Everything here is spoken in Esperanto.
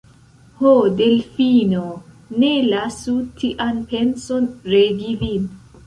Ho, Delfino, ne lasu tian penson regi vin!